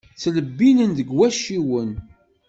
Ttlebbinen deg wacciwen.